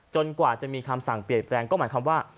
กว่าจะมีคำสั่งเปลี่ยนแปลงก็หมายความว่า